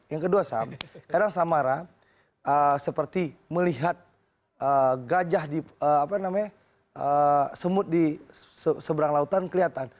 yang kedua kadang samara seperti melihat gajah di semut di seberang lautan kelihatan